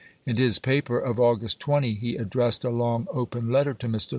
In his paper of August 20 he addressed a long open letter to Mr. 1862.